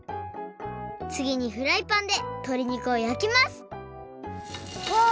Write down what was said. つぎにフライパンでとりにくをやきますうわ！